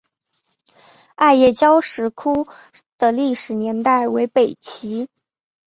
艾叶交石窟的历史年代为北齐。